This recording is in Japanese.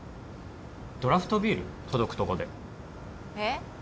ドラフトビール届くとこでえっ？